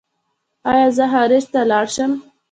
ایا زه خارج ته لاړ شم؟